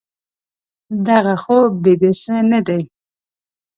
دغه خوب بې د څه نه دی.